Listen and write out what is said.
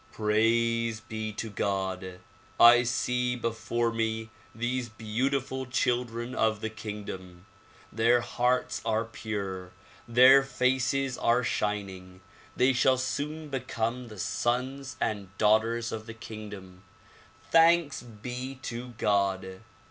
Praise be to God! I see before me these beautiful children of the kingdom. Their hearts are pure, their faces are shining. They shall soon become the sons and daughters of the kingdom. Thanks be to God!